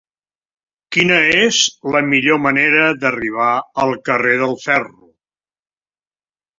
Quina és la millor manera d'arribar al carrer del Ferro?